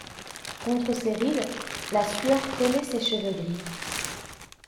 Contre ses rides, la sueur collait ses cheveux gris.